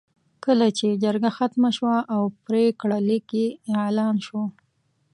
کله چې جرګه ختمه شوه او پرېکړه لیک یې اعلان شو.